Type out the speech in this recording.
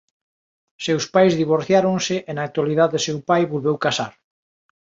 Seus pais divorciáronse e na actualidade seu pai volveu casar.